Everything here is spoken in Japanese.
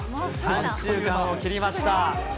３週間を切りました。